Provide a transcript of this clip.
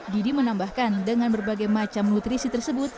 didi menambahkan dengan berbagai macam nutrisi tersebut